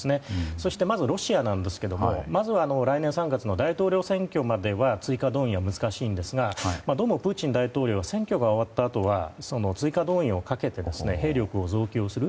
そしてロシアですがまず来年３月の大統領選挙までは追加動員は難しいんですがどうもプーチン大統領は選挙が終わったあとは追加動員をかけ兵力を増強する。